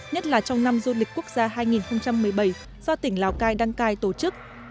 nhất là trong năm du lịch quốc gia hai nghìn một mươi bảy do tỉnh lào cai đăng cai tổ chức